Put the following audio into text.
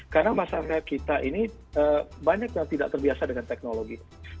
karena masyarakat kita ini banyak yang tidak terbiasa dengan teknologi